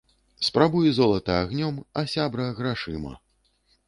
Спрабуй золата агнём, а сябра - грашыма